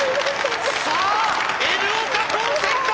さあＮ岡高専かＮ社か！